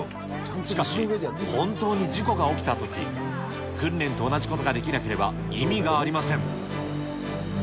しかし、本当に事故が起きたとき、訓練と同じことができなければ意味がありません。